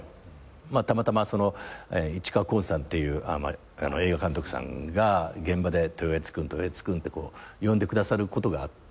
たまたま市川崑さんっていう映画監督さんが現場で「トヨエツ君トヨエツ君」って呼んでくださることがあって。